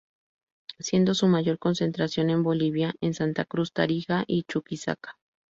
Siendo su mayor concentración en Bolivia en Santa Cruz, Tarija, y Chuquisaca.